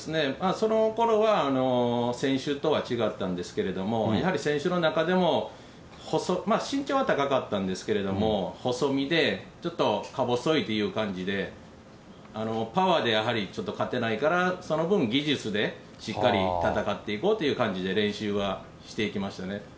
そのころは選手とは違ったんですけれども、やはり選手の中でも、身長は高かったんですけれども、細身で、ちょっとか細いという感じで、パワーでやはり勝てないから、その分、技術でしっかり戦っていこうっていう感じで練習はしていきましたね。